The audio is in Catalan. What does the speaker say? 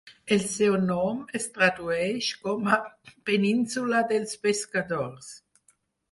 El seu nom es tradueix com a 'península dels pescadors'.